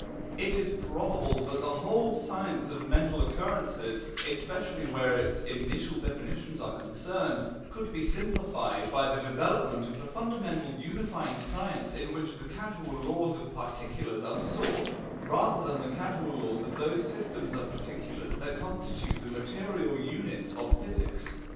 It is probable that the whole science of mental occurrences, especially where its initial definitions are concerned, could be simplified by the development of the fundamental unifying science in which the causal laws of particulars are sought, rather than the causal laws of those systems of particulars that constitute the material units of physics.